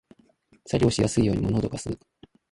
作業しやすいように物をどかす